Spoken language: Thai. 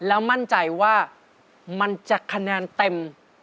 แล้วมั่นใจว่ามันจะคะแนนเต็ม